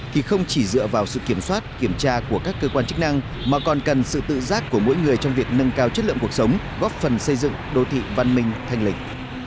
thì không chỉ dựa vào sự kiểm soát kiểm tra của các cơ quan chức năng mà còn cần sự tự giác của mỗi người trong việc nâng cao chất lượng cuộc sống góp phần xây dựng đô thị văn minh thanh lịch